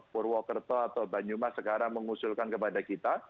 purwokerto atau banyumas sekarang mengusulkan kepada kita